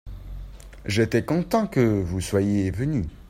j'étais content que vous soyiez venu.